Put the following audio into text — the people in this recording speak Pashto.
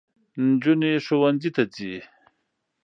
نجوني ښوونځۍ ته ځي